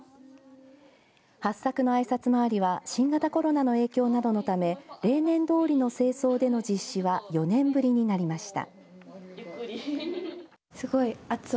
八朔のあいさつ回りは新型コロナの影響などのため例年通りの正装での実施は４年ぶりになりました。